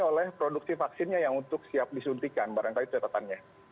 oleh produksi vaksinnya yang untuk siap disuntikan barangkali catatannya